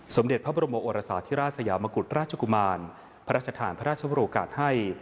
สมเด็จพระบรมโอรสาธิราชสยามกุฎราชกุมารพระราชทานพระราชวรกาศให้